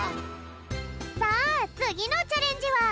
さあつぎのチャレンジはたまよ